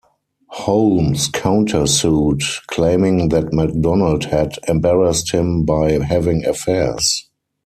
Holmes counter-sued, claiming that MacDonald had embarrassed him by having affairs.